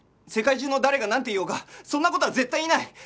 世界中の誰がなんて言おうがそんな事は絶対にない！